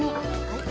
はい。